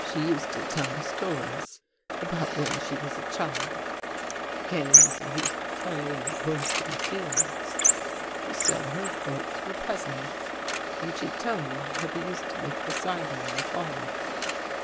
She used to tell me stories about when she was a child — the games they used to play and the work in the fields. She said her folks were peasants, and she'd tell me how they used to make the cider in the fall."